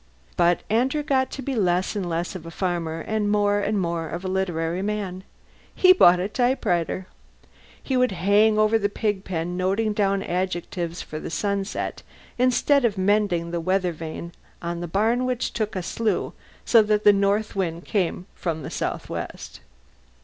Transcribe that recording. But Andrew got to be less and less of a farmer and more and more of a literary man. He bought a typewriter. He would hang over the pigpen noting down adjectives for the sunset instead of mending the weather vane on the barn which took a slew so that the north wind came from the southwest.